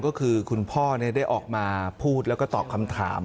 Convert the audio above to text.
ก็คือคุณพ่อได้ออกมาพูดแล้วก็ตอบคำถาม